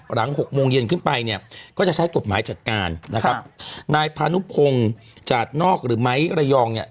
หกโมงเย็นขึ้นไปเนี่ยก็จะใช้กฎหมายจัดการนะครับนายพานุพงศ์จาดนอกหรือไม้ระยองเนี่ย